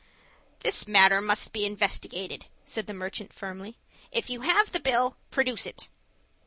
"This matter must be investigated," said the merchant, firmly. "If you have the bill, produce it."